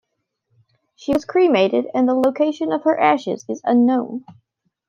She was cremated, and the location of her ashes is unknown.